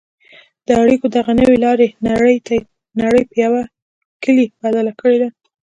د اړیکو دغې نوې لارې نړۍ په یوه کلي بدله کړې ده.